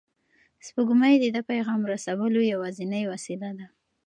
سپوږمۍ د ده د پیغام رسولو یوازینۍ وسیله ده.